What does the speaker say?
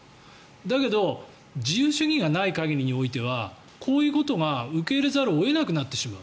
だけど自由主義がない限りにおいてはこういうことが受け入れざるを得なくなってしまう。